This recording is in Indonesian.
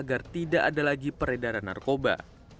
ada lagi peredaran narkoba